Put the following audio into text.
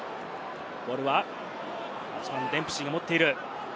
ボールはデンプシーが持っている。